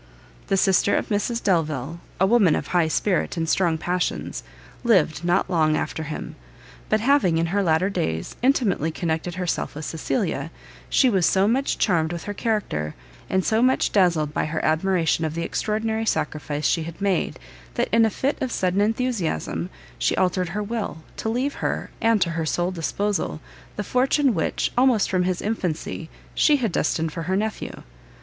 The sister of Mrs Delvile, a woman of high spirit and strong passions, lived not long after him; but having, in her latter days, intimately connected herself with Cecilia, she was so much charmed with her character, and so much dazzled by her admiration of the extraordinary sacrifice she had made, that, in a fit of sudden enthusiasm, she altered her will, to leave to her, and to her sole disposal, the fortune which, almost from his infancy, she had destined for her nephew.